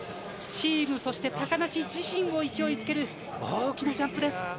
チーム、そして高梨自身も勢いづける大きなジャンプです。